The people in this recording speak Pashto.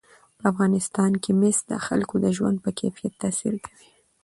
په افغانستان کې مس د خلکو د ژوند په کیفیت تاثیر کوي.